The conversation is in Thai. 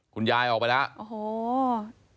คุณยายออกไปแล้ว